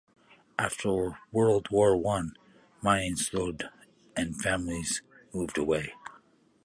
After World War One, mining slowed and families moved away.